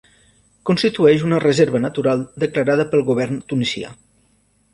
Constitueix una reserva natural declarada pel govern tunisià.